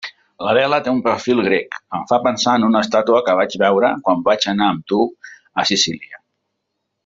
L'Adela té un perfil grec, em fa pensar en una estàtua que vaig veure quan vaig anar amb tu a Sicília.